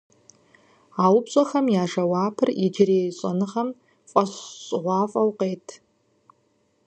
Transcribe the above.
А упщӀэхэм я жэуапыр иджырей щӀэныгъэм фӀэщ щӀыгъуафӀэу къет.